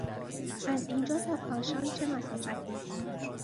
از اینجا تا کاشان چه مسافتی است؟